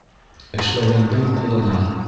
Эшләгәндең ҡулынан